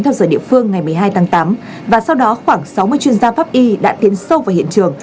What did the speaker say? theo giờ địa phương ngày một mươi hai tháng tám và sau đó khoảng sáu mươi chuyên gia pháp y đã tiến sâu vào hiện trường